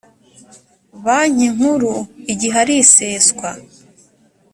banki nkuru igihe ari iseswa